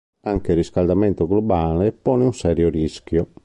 Anche il riscaldamento globale pone un serio rischio.